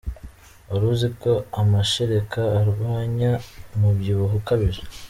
Wari uziko amashereka arwanya umubyibuho ukabije?